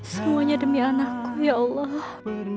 semuanya demi anakku ya allah